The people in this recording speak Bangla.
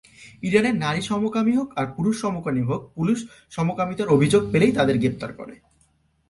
ইরানে নারী সমকামী হোক আর পুরুষ সমকামী হোক, পুলিশ সমকামিতার অভিযোগ পেলেই তাদেরকে গ্রেফতার করে।